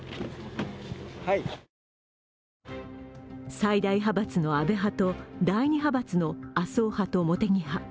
最大派閥の安倍派と第２派閥の麻生派と茂木派。